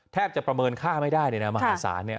แทบจะประเมินค่าไม่ได้ในน้ำมหาศาสตร์เนี่ย